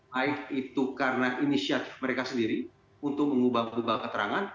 baik itu karena inisiatif mereka sendiri untuk mengubah ubah keterangan